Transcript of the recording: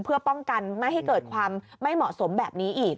เพื่อป้องกันไม่ให้เกิดความไม่เหมาะสมแบบนี้อีก